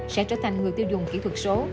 sẽ trở thành người tiêu dùng kỹ thuật số